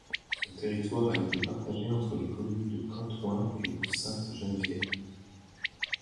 Son territoire a été partagé entre les communes de Cantoin et de Sainte-Geneviève.